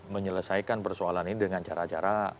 menyelesaikan persoalan ini dengan cara cara